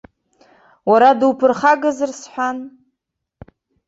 Уара дуԥырхагазар сҳәан.